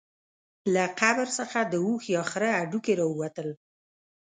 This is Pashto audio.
له قبر څخه د اوښ یا خره هډوکي راووتل.